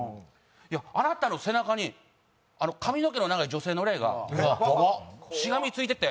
いやあなたの背中に髪の毛の長い女性の霊がしがみついてて。